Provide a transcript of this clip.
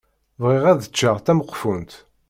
Bɣiɣ ad ččeɣ tameqfunt.